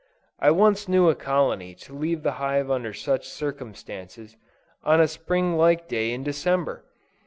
I once knew a colony to leave the hive under such circumstances, on a springlike day in December!